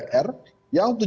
jadi kalau di depan